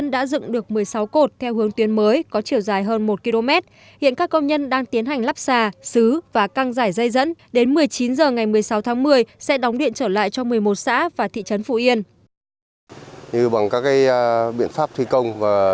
đến ngày một mươi sáu tháng một mươi sẽ đóng điện trở lại cho một mươi một xã và thị trấn phù yên